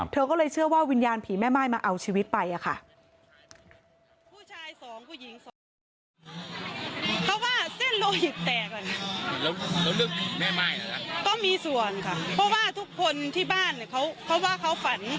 เธอก็เลยเชื่อว่าวิญญาณผีแม่ม่ายมาเอาชีวิตไปค่ะ